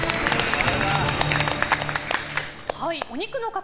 お肉の塊